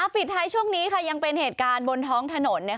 ปิดท้ายช่วงนี้ยังเป็นเหตุการณ์บนท้องถนน